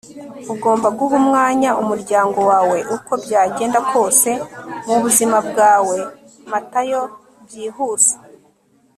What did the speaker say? ugomba guha umwanya umuryango wawe uko byagenda kose mubuzima bwawe - matayo byihuse